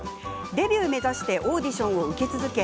デビュー目指してオーディションを受け続け